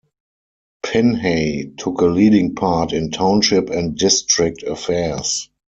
Pinhey took a leading part in township and district affairs.